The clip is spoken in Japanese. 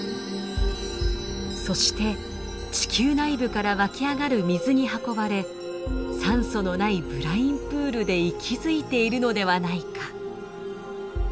そして地球内部から湧き上がる水に運ばれ酸素のないブラインプールで息づいているのではないか。